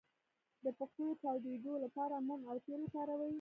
د پښو د چاودیدو لپاره موم او تېل وکاروئ